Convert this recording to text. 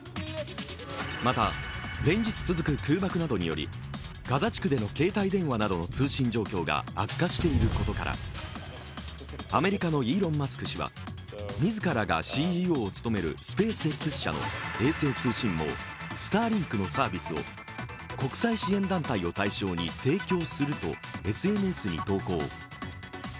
また、連日続く空爆などによりガザ地区での携帯電話などの通信状況が悪化していることからアメリカのイーロン・マスク氏は自らがＣＥＯを務めるスペースＸ社の衛星通信網、スターリンクのサービスを国際支援団体を対象に提供するとＳＮＳに投稿。